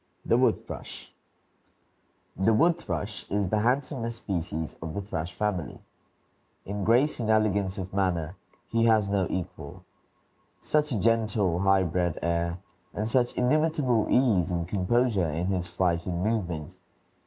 THE WOOD THRUSH The wood thrush is the handsomest species of the thrush family. In grace and elegance of manner he has no equal. Such a gentle, high bred air, and such inimitable ease and composure in his flight and movement!